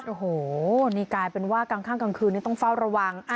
โอ้โหนี่กลายเป็นว่ากลางข้างกลางคืนนี้ต้องเฝ้าระวัง